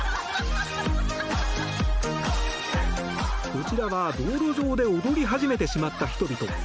こちらは、道路上で踊り始めてしまった人々。